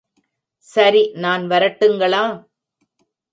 சரி நான் வரட்டுங்களா?......